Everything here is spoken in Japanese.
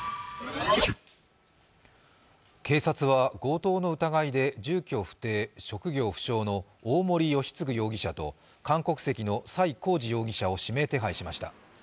警察は強盗の疑いで住居不定・職業不詳の大森良嗣容疑者と、韓国籍の崔浩司容疑者を指名手配しました。